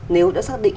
nếu đã xác định